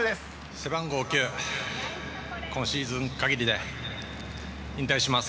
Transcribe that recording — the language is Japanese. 背番号９、今シーズン限りで引退します。